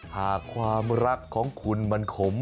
หากความรักของคุณมันขม